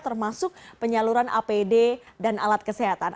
termasuk penyaluran apd dan alat kesehatan